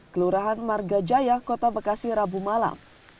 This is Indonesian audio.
kelurahan marga jaya kota bekasi rabu malam